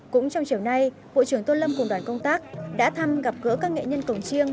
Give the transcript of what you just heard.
cũng trong chiều nay bộ trưởng tô lâm cùng đoàn công tác đã thăm gặp gỡ các nghệ nhân cổng chiêng